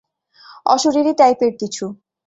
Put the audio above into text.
অশরীরী টাইপের কিছু।